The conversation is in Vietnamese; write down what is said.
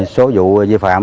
số vụ dư phạm